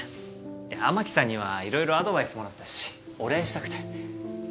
いや雨樹さんにはいろいろアドバイスもらったしお礼したくて。